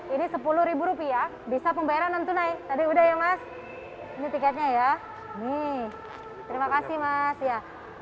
ini sepuluh rupiah bisa pembayaran non tunai tadi udah ya mas ini tiketnya ya hmm terima kasih mas ya